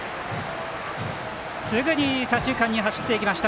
すぐに左中間に走っていきました。